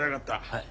はい。